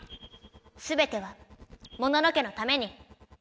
すべてはモノノ家のために！